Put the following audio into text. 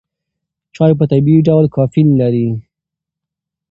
چای په طبیعي ډول کافین لري.